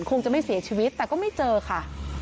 คงจะไม่เสียชีวิตแต่ก็ไม่เจอค่ะ